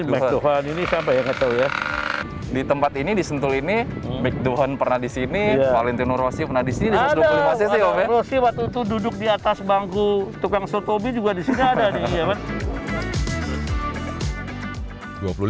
ada ada rossi waktu itu duduk di atas bangku tukang sotobi juga di sini ada